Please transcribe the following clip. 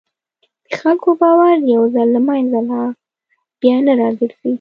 د خلکو باور یو ځل له منځه لاړ، بیا نه راګرځي.